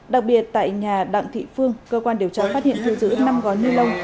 đặc biệt tại nhà đặng thị phương cơ quan điều tra phát hiện thu giữ năm gói ni lông